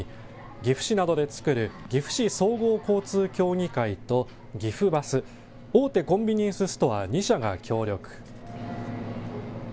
岐阜市などでつくる岐阜市総合交通協議会と岐阜バス大手コンビニエンスストア２社が協力。